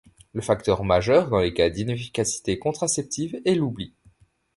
Le facteur majeur dans les cas d'inefficacité contraceptive est l'oubli.